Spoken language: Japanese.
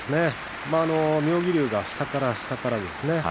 妙義龍が下から下から。